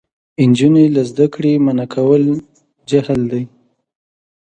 نجونې له زده کړې منع کول جهل دی.